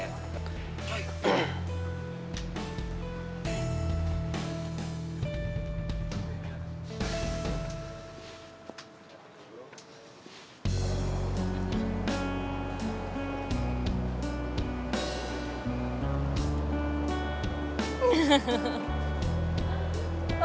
sukses ya ian ya